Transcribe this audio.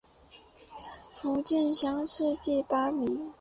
福建乡试第八名。